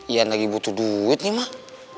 ian lagi butuh duit nih mak